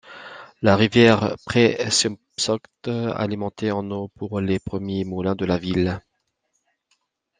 La rivière Presumpscot alimentait en eau pour les premiers moulins de la ville.